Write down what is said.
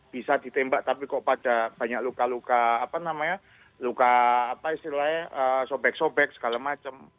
bisa ditembak tapi kok pada banyak luka luka apa namanya luka apa istilahnya sobek sobek segala macam